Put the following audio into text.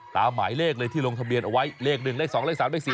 ตามหมายเลขเลยที่ลงทะเบียนเอาไว้